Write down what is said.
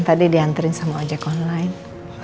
tadi diantarin sama ojek online